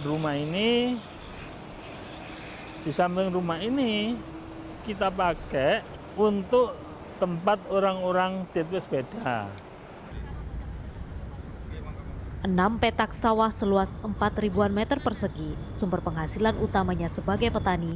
enam petak sawah seluas empat ribuan meter persegi sumber penghasilan utamanya sebagai petani